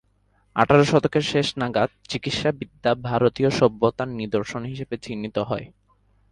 আঠারো শতকের শেষ নাগাদ চিকিৎসাবিদ্যা ভারতীয় সভ্যতার নিদর্শন হিসেবে চিহ্নিত হয়।